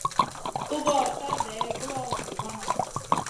Tugor ka day guloʼo zi wana.